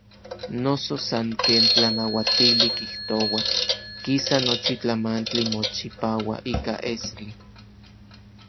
Noso san ken tlanauatili kijtoua, kisa nochi tlamantli mochipaua ika estli.